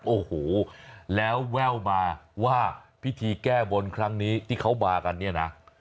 โอ้โหแล้วแว่วมาว่าพิธีแก้บนครั้งนี้ที่เขามากันเนี่ยนะ